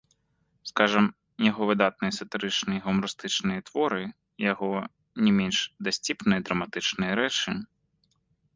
Скажам, яго выдатныя сатырычныя і гумарыстычныя творы, яго не менш дасціпныя драматычныя рэчы.